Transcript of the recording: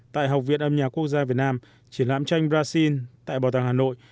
tại học viện âm nhạc quốc gia việt nam triển lãm tranh brazil tại bảo tàng hà nội